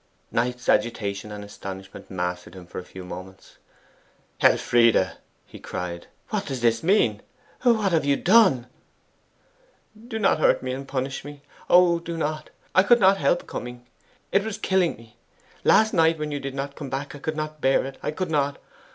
Knight's agitation and astonishment mastered him for a few moments. 'Elfride!' he cried, 'what does this mean? What have you done?' 'Do not hurt me and punish me Oh, do not! I couldn't help coming; it was killing me. Last night, when you did not come back, I could not bear it I could not!